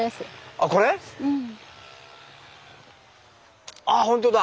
あほんとだ。